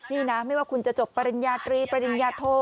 นี่นะไม่ว่าคุณจะจบปริญญาตรีปริญญาโท